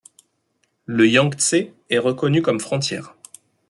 Le Yangtzé est reconnu comme frontière.